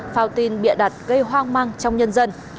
phao tin bịa đặt gây hoang mang trong nhân dân